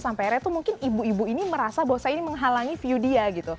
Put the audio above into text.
sampai akhirnya tuh mungkin ibu ibu ini merasa bahwa saya ini menghalangi view dia gitu